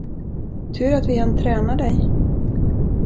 Tur att vi hann träna dig.